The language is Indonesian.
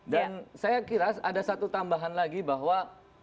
dan saya kira ada satu tambahan lagi bahwa